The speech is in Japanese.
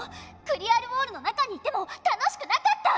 クリアル・ウォールの中にいても楽しくなかった！